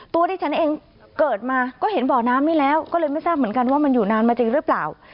ตัวที่ฉันเองเกิดมาก็เห็นบ่อน้ำนี้แล้วก็เลยไม่ทราบเหมือนกันว่ามันอยู่นานมาจริงหรือเปล่า